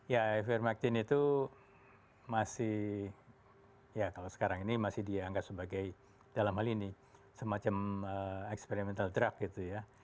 ya ivermectin itu masih ya kalau sekarang ini masih dianggap sebagai dalam hal ini semacam experimental drug gitu ya